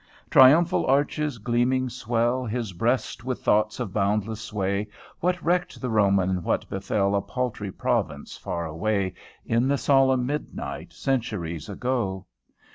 Triumphal arches gleaming swell His breast, with thoughts of boundless sway. What recked the Roman what befell A paltry province far away, In the solemn midnight, Centuries ago!